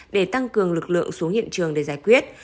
để tăng cường lực lượng xuống hiện trường để giải quyết